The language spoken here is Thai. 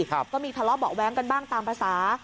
ก็มีทะเลาะเบาะแว้งกันบ้างตามภาษา